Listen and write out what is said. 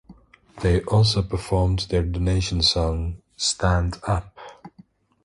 They also performed their donation song "Stand Up".